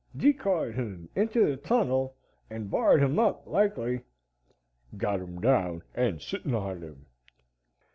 "Decoyed him inter the tunnel and barred him up, likely." "Got him down and sittin' on him."